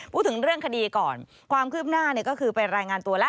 พูดถึงเรื่องคดีก่อนความคืบหน้าก็คือไปรายงานตัวแล้ว